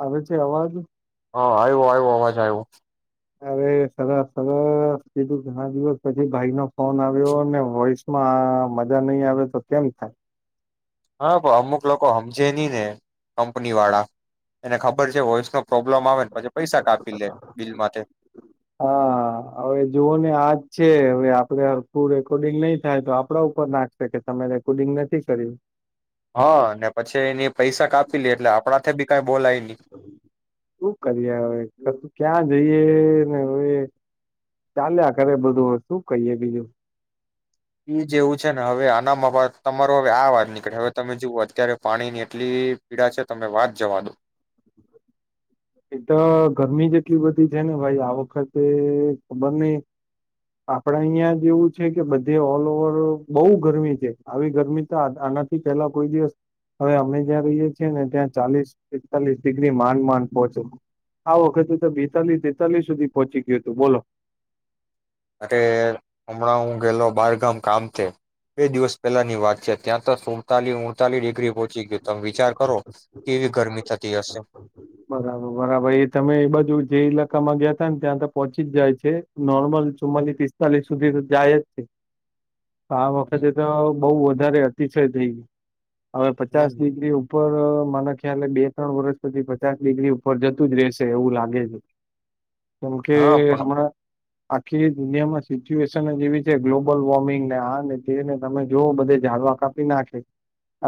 આવે છે અવાજ? હા આયો આવ્યો અવાજ આવ્યો. અરે સરસ-સરસ કીધું ઘણા દિવસ પછી ભાઈ નો ફોન આવ્યો ને વોઈસ માં મજા નઈ આવે તો કેમ થાય. હા અમુક લોકો હમજે ની ને કંપની વાળા એને ખબર છે વોઈસ નો પ્રોબ્લેમ આવે પછી પૈસા કાપ પી લે બિલ માટે. હા હવે જુઓ ને આ જ છે, હવે આપડે હરખું રેકોર્ડિંગ નહી થાય, તો આપડા ઉપર નાખશે કે તમે રેકોર્ડિંગ નથી કર્યું. હા ને પછી એની પૈસા કાપી લે એટલે આપણા થે બી કાઈ બોલાય નહી. શું કરીએ હવે કશું ક્યાં જઈએ ને હવે ચાલ્યા ખરે બધું શું કહીએ બીજું. ઈ જે એવું છે ને હવે આનામ બા તમારો હવે આ વાત નીકળે હવે તમે જૂવાજ અત્યારે પાણી ની એટલી પીડા છે, તમે વાત જવા દો. એ તો ગરમી જ એટલી બધી છે, ને ભાઈ આ વખતે ખબર નહીં આપડા અહિયાં જ એવું છે, કે બધે ઓલ ઓવર બહુ ગરમી છે, આવી ગરમી તો આ આનાથી પેલા કોઈ દિવસ, હવે અમે જ્યાં રહીએ છીએ ને ત્યાં ચાલીસ પેતાલીસ ડિગ્રી માંડ માન પહોચે, આ વખતે તો બેતાલીસ તેતાલીસ સુધી પહોંચી ગયું તું બોલો. અરે હમણાં હું ગયેલો બારગામ કામ થી, બે દિવસ પહેલાની વાત છે, ત્યાં તો સુડતાલી ઉડતાલીસ ડિગ્રી પહોચી ગયો તમે વિચાર કરો. કેવી ગરમી થતી હશે. બરાબર-બરાબર ઈ તમે ઈ બાજુ જે ઈલાકામાં ગયા તા ને ત્યાં તો પહોંચી જાય છે, નોર્મલ ચુમ્માલીસ પિસ્તાલીસ સુધી તો જાય જ છે. આ વખતે તો બઉુ વધારે [unintelligible] હવે પચાસ હમ ડિગ્રી ઉપર મને ખ્યાલે બે ત્રણ વર્ષ સુધી પછી ચાસ ડિગ્રી ઉપર જતું જ રશે એવું લાગે છે. કેમ કે હા પણ હમણાં આખી દુનિયામાં સિચ્યુએશન જેવી છે, ગ્લોબલ વોર્મિંગ ને આ ને તેને તમે જોઓ બધે જાળવા કાપી નાખે,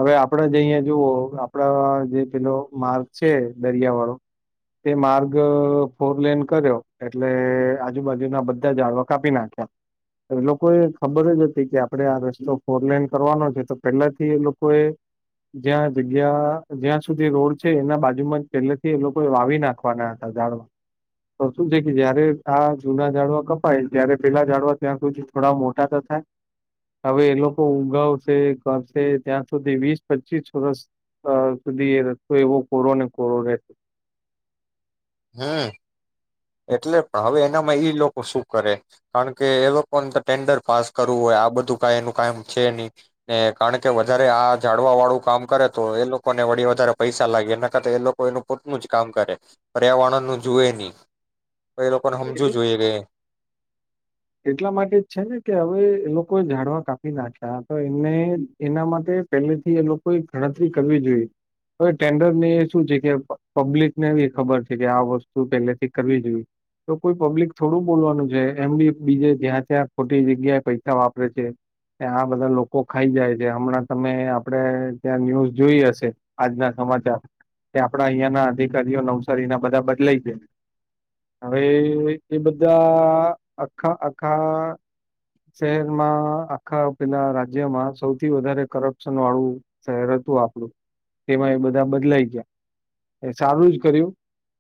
હવે આપડ જ અહિયાં જુવઓ આપડા જે પેલો માર્ચ છે દરિયા વાળો તે માર્ગ ફોર લેન કર્યો એટલે આજુબાજુના બધા જડવા કાપી નાખ્યા, લોકો એ ખબર જ હતી કે આપડણે આ રસ્તો ફોર લેન કરવાનો છે, તો પહેલાથી એ લોકોએ જ્યાં જગ્યા જ્યાં સુધી રોડ છે, એના બાજુમાં જ પેલેથી એ લોકો એ વાવી નાખવાના હતા ઝડવા તો શું છે કે જયારે આ જૂના જાઝાડવા કપાય, ત્યારે પેલા જાઝાડવા ત્યાં સુધી થોડા મોટા ત થાય, હવે એ લોકો ઉગાવશે કરશે, ત્યાં સુધી વીસ પચીસ વર્ષ સુધી એ રસ્તો એવો કોરોને [unintelligible] હમ. એટલે પણ હવે એનામાં ઈ લોકો શું કરે કારણ કે એ લોકોને તો ટેન્ડર પાસ કરવું હોય, આ બધું કા એનું કામ છે નહી, કારણ કે વધારે આ જાડવા વાળું કામ કરે તો એ લોકોને વળી વધારે પૈસા લાગે એના કરતા, એ લોકો એનું પોતનું જ કામ કરે પર્યાવર્ણ ન જોએ નહી. તો એ લોકોને હમજુ એટલા જોઈએ કે એટલા માટે જ છે ને કે હવે એ લોકોએ ઝાડવા કાપી નાખ્યા, તો એને એના માટે પહેલેથી એ લોકોએ ગણતરી કરવી જોઈએ હવે ટેન્ડર ની એ શું છે કે પબ્લિક ને ખબર છે, કે આ વસ્તુ પહેલેથી કરવી જોઈએ, તો કોઈ પબ્લિક થોડું બોલવાનું છે એમબી બીજે જ્યાં ત્યાં ખોટી જગ્યાએ પૈસા વાપરે છે, આ બધા લોકો ખાઈ જાય છે, હમણાં તય આપડે ત્યાં ન્યુઝ જોઈ હશે, આજના સમાચાર કે આપડા અહં ના અધિકારીઓ નવસારી ના બધા બદલાય છે, હવે એ બધા આખા આખા શહેરમાં આખા પેલા રાજ્યમાં સૌથી વધારે કરપ્શન વાળું શહેર હતું આપડું, તેમાં એ બધા બદલાઈ ગયા, એ સારું જ કર્યું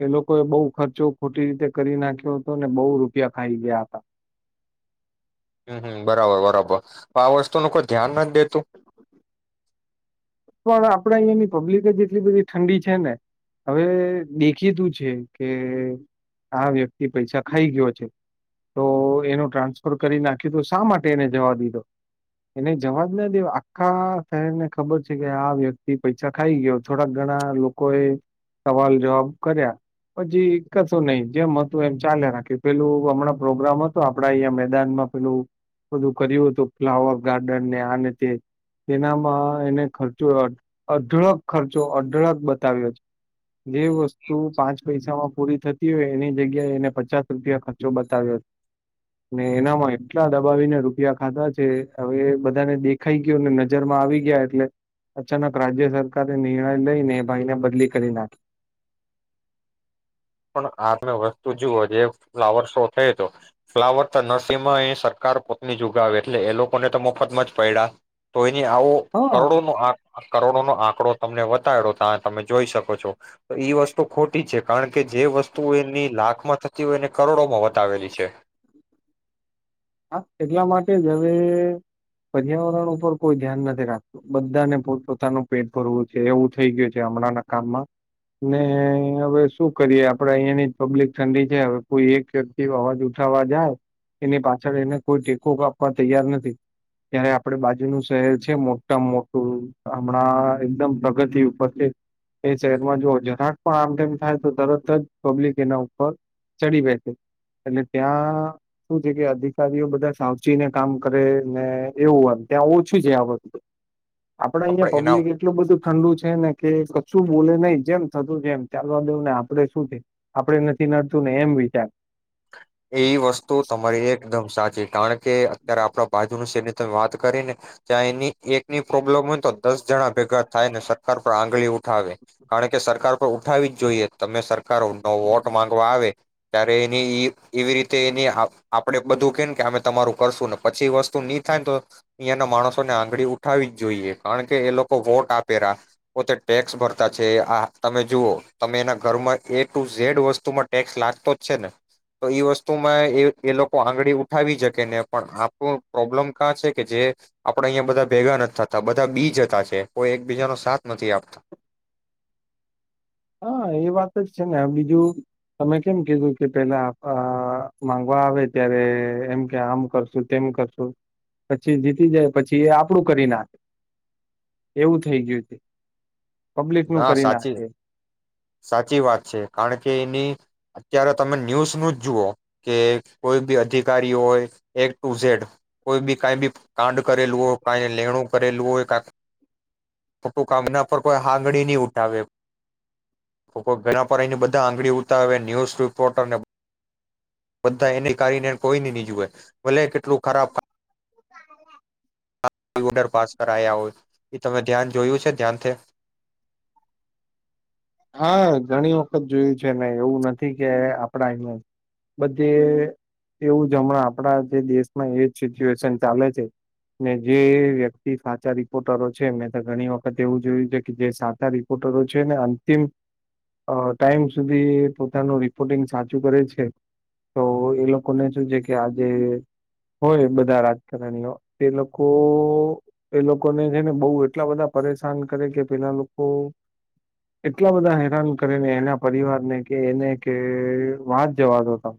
એ લોકોએ બહુ ખર્ચો ખોટી રીતે કરી નાખ્યો હતો, ને બહુ રૂપિયા ખાઈ ગયા હતા. હમ હમ બરાબર બરાબર આ વસ્તુ નો કોઈ ધ્યાન નથ દેતું. પણ આપડા અહીિયાયાની પબ્લિક જ એટલી બધી ઠંડી છે ને હવે દેખી તું છે કે આ વ્યક્તિ પૈસા ખાઈ ગયો છે તો એનું ટ્રાન્સફર કરી નાખ્યું તો શા માટે એને જવા દીધો એને જવા જ ના દે આખા શહેરને ખબર કે આ વ્યક્તિ પૈસા ખાઈ ગયો થોડાક ઘણા લોકો એ સવાલ જવાબ કર્યા પછી, કસો નહી જેમ હતું એમ ચાલે્યા રાખ્યું પેલું હમણાં પ્રોગ્રામ હતો આપડા અહીંયા મેદાનમાં પેલું બધું કર્યું હતું, ફ્લાવર, ગાર્ડન ને આને તે તેનામાં એને ખર્ચો અઢળક ખર્ચો અઢળક બતાવ્યો છે, એ વસ્તુ પાંચ પૈસામાં પૂરી થતી હોય, એની જગ્યાએ એને પચાસ રૂપિયા ખર્ચો બતાવ્યો છે, ને એનામાં એટલા દબાવીને રૂપિયા ખાધા છે, હવે એ બધાને દેખાઈ ગયો ને નજરમાં આવી ગયા એટલે અચાનક રાજ્ય સરકારે નિર્ણય લઈને એ ભાઈને બદલી કરી નાખી. પણ આમે વસ્તુ જુઓ જે ફ્લાવર શો થયો તો ફ્લાવર તો નરસરીમાં અ સરકાર પોતની જુગાવે એટલે એ લોકોને તો મફતમાં જ પડ્યા તો આવો હા કરોડો નો કરોડો નો આંકડો તમને બતાયડો ત તમે જોઈ શકો છો, તો ઈ વસ્તુ ખોટી છે કારણ કે તિયને કરોડોમહોત આવેલી છે. હા એટલા માટે જ હવે પર્યાવરણ ઉપર કોઈ ધ્યાન નથી રાખતું બધાને પોતપોતાનું પેટ ભરવું છે એવું થઈ ગયું છે હમણાંના કામમાં ને હવે શું કરીએ આપડે અહિયાયાની પબ્લિક ઠંડી છે હવે કોઈ એક વ્યક્તિ અવાજ ઉઠાવવા જાય એની પાછ કોઈ ટેકો કાપવા તૈયાર નથી ત્યારે આપડ બાજુનું શહેર છે મોટા મોટું હમણાં એકદમ પ્રગતિ ઉપર છે એ શહેરમાં જો જરાક પણ આમ તેમ થાય તો તરત જ પબ્લિક એના ઉપર ચડી બેઠ એટલે ત્યાં શું છે કે વઓ બધા સાવચી ને કામ કરે ને એવું એમ ત્યાં ઓછું છે આ વખ આપડે આપણે અહિયાં એના પબ્લિક એટલું બધું ઠંડુ છે ને કે કશું બોલે નહીિ જેમ થતું છે એમ ચાલવા દેવ ને આપડે શું થ આપડે નથી નડતું ને એમ વિચાર એ વસ્તુ તમારી એકદમ સાચી જે કારણ કે અત્યારે આપણા બાજુ ન સૈન્ય વાત કરી ને ત્યાં એની એકની પ્રોબ્લેમ હોય તો દસ જણા ભેગા થાય ને સરકાર પર આંગળી ઉઠાવે કારણ કે સરકાર પર ઉઠાવી જ જોઈએ તમે સરકાર કરો ન વોટ માંગવા આવે. ત્યારે એવી રીતે એને આપણેે બધું કે કે અમે તમારું કરશું ને પછી વસ્તુ નહી થાય ને તો અહીંયાના માણસોને આંગળી ઉઠાવી જ જોઈએ કારણ કે એ લોકો વોટ આપેલા પોતે ટેક્સ ભરતા છે આ તમે જુઓ તમે એના ઘરમાં એ ટુ ઝેડ વસ્તુમાં ટેક્સ લાગતો જ છે ને તો એ વસ્તુમાં એ એ લોકો આંગળી ઉઠાવી શકે ને પણ આપણું પ્રોબ્લેમ કાં છે કે જે આપણે અહીંયા બધા ભેગા નથી થતા બધા બી જતા છે કોઈ એકબીજાનો સાથ નથી આપતા. હા એ વાત જ છે ને બીજું તમે કેમ કીધું કે પેલા માંગવા આવે ત્યારે એમ કે આમ કરશું તેમ કરશું પછી જીતી જાય પછી એ આપડું કરી નાખે એવું થઈ ગયું છે. પબ્લિક નું ના કરી સાચી નાથે. સાચી વાત છે કારણ કે એની અત્યારે તમે ન્યૂઝ નું જ જુઓ કે કોઈ બી અધિકારી હોય એક ટુ ઝેડ કોઈ બી કઈ બી કાંડ કરેલું. કઈ લેણું કરેલું હોય કા ખોટુંક એના પર કોઈ આંગળી નહી ઉઠાવે ઘના પર એની બધા આંગળી ઉઠાવે ન્યૂઝ રિપોર્ટરને બધા એની કારને કોઈ ન નહી જોય ભલે કેટલું ખરાબ [inaudible] હ કોઈ ઓર્ડર પાસ કર આયા હો એ તમે ધ્યાન જોયું છે ધ્યાનથી. હા ઘણી વખત જોયું છે ને એવું નથી કે આપડા એમે બધે એવું જ હમણાં આપડા જે દેશમાં એ જ સિચ્યુએશન ચાલે છે ને જે વ્યક્તિ સાચા રિપોર્ટરો છે મેં તો ઘણી વખત એવું જોયું છે કે જે સાચા રિપોર્ટરો છે ને અંતિમ ટાઈમ સુધી પોતાનું રિપોર્ટિંગ સાચું કરે છે તો એ લોકોને શું છે કે આજે હોય બધા રાજકારણીઓ એ લોકો એ લોકોને છે ને બહ એટલા બધા પરેશાન કરે કે પેલા લોકો એટલા બધા હેરાન કરીને એના પરિવારને કે એને કે વાત જવા દ તમે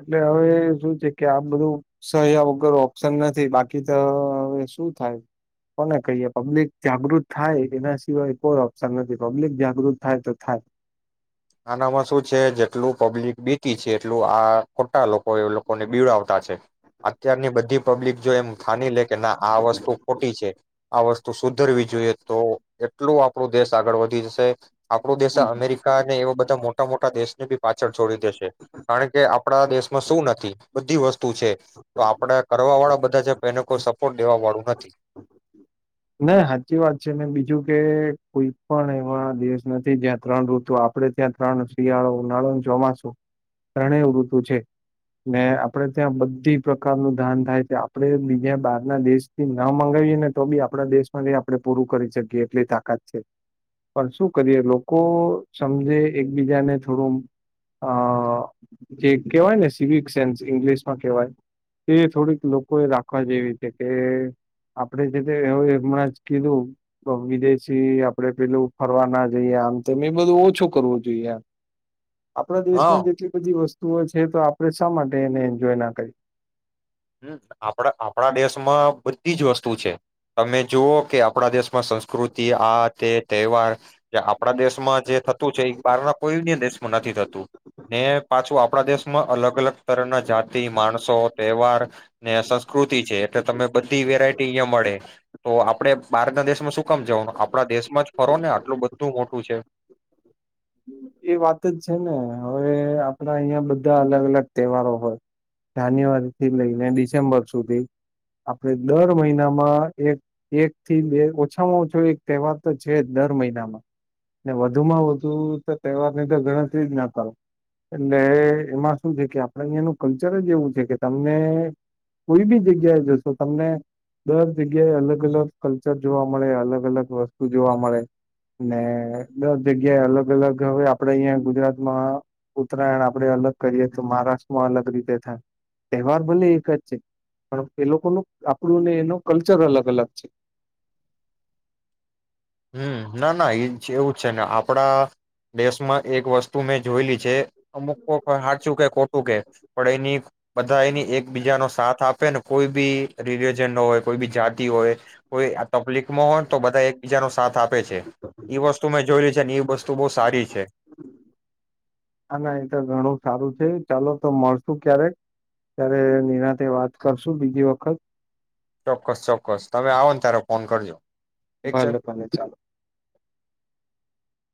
એટલે હવે શું છે કે આ બધું સહ્યા વગર ઓપ્શન નથી બાકી તો હવે શું થાય કોને કહીએ પબ્લિક જાગૃત થાય એના સિવાય કોઈ ઓપ્શન નથી પબ્લિક જાગૃત થાય તો થાય. આનામાં શું છે જેટલું પબ્લિક બેતી છે એટલું આ ખોટા લોકો એ લોકોને બીવડાવતા છે. અત્યારની બધી પબ્લિક જો એમ થાની લે કે ના આ વસ્તુ ખોટી છે આ વસ્તુ સુધરવી જોઈએ તો એટલું આપણું દેશ આગળ વધી જશે. આપડો દેશ અમેરિકા ને એવ મોટા મોટા દેશને બી પાછળ છોડી દેશે કારણ કે આપણા દેશમાં શું નથી. બધી વસ્તુ પૂછે તો આપડે કરવા વાળા બધા છે પણ એને કોઈ સપોર્ટ ફોટ દેવા વાળું નથી ના હાચી વાત છે મે બીજું કે કોઈ પણ એવા દેશ નથી જ્યાં ત્રણ ઋતુ આપડે ત્યાં ત્રણ શિયાળો, ઉનાળો, ચોમાસું ત્રણે ઋતુ છે ને આપડે ત્યાં બધી પ્રકારનું ધાન થાય છે. આપણે બીજા બહાર ના દેશથી ના મગાવીએ ને તો બી આપ આપણા દેશમાં જે આપણે પૂરું કરી શકીએ એટલી તાકાત છે. પણ શું કરીએ લોકો સમજે એકબીજાને થોડું અ જે કહેવાય ને સિવિક સેન્સ ઈંગ્લિશમાં કહેવાય એ થોડીક લોકો એ રાખવા જેવી છે કે આપણે જે જે હવે હમણાં જ કીધું, તો વિદેશી આપડે પેલું ફરવા ના જઈએ. આમ તેમ એ બધું ઓછું કરવું જોઈએ એમ. આપણા હા દેશમાં જેટલી બધી વસ્ તુઓ છે, તો આપણે શા માટે એને એન્જોય ના કરે? હમ્મ, આપણા આપણા દેશમાં બધી જ વસ્તુ છે. તમે જુઓ કે આપણા દેશમાં સંસ્કૃતિ આ તે તહેવાર આપણા દેશમાં જે થતું છે. એ બહારના કોઈ ભી દેશમાં નથી થતું. ને પાછું આપણા દેશમાં અલગ અલગ તરહના જાતિ, માણસો, તહેવાર ને સંસ્કૃત તી એટલે તમને બધી વેરાયટી અહિયાં મળે. તો આપણે બહાર ના દેશમાં શું કામ જવાનું? આપણા દેશમાં જ ફરો ને. આટલું બધું મોટું છે. એ વાત જ છે ને. હવે આપણા અહિયાં બધા અલગ અલગ તહેવારો હોય. જાન્યુઆરી થી લઈને ડિસેમ્બર સુધી આપણે દર મહિનામાં એક એક થી બે ઓછામાં ઓછો એક તહેવાર તો છે જ. દર મહિનામાં વધુમાં વધુ તો તહેવારની તો ગણતરી જ ના કરો એટલે એમાં શું છે કે આપણે અહીંયાનું કલ્ચર જ એવું છે, કે તમને કોઈ બી જગ્યાએ જશો, તમને દર જગ્યાએ અલગ અલગ કલ્ચર જોવા મળે, અલગ અલગ વસ્તુ જોવા મળે ને દર જગ્યાએ અલગ અલગ હવે આપણેે અહીયાં ગુજરાતમાં ઉત્તરાયણ આપણે અલગ કરીએ તો મહારાષ્ટ્રમાં અલગ રીતે થાય. તહેવાર ભલે એક જ છે પણ, એ લોકોનું આપણુંને એનો કલ્ચર અલગ અલગ છે. હમ્મ. ના ના એ એવું જ છે ને આપડા દેશમાં એક વસ્તુ મેં જોયલી છે અમુક [unintelligible] હાચું કે ખો હું કે પણ એની બધા એની એકબીજા નો સાથ આપે ને કોઈ બી રિલીજન નો હોય, કોઈ બી જાતિ હોય, કોઈ આ તપલીપ મા હોત તો બધા એ બીજા નો સાથ આપ પે છે એ વસ્તુ મેં જોય છે, એ વસ્તુ બો સારી છે. આના એ તો ઘણું સારું છે ચાલો તો મળશુ ક્યારેક, ત્યારે નિરાંતે વાત કરશું બીજી વખત. ચોક્કસ ચોક્કસ તમે આવો ને ત્યારે ફોન કરજો ઠીક છે ભલે ભલે ચાલો.